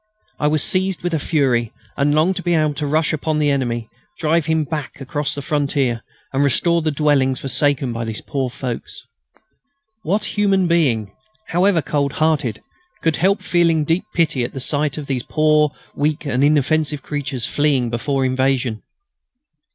I was seized with a fury and longed to be able to rush upon the enemy, drive him back across the frontier, and restore the dwellings forsaken by these poor folks. What human being, however cold hearted, could help feeling deep pity at the sight of those poor, weak and inoffensive creatures fleeing before invasion?